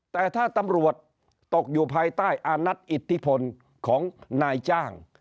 แต่ถ้าตำรวจตกอยู่ภายใต้อานัทอิทธิพลของนายจ้าง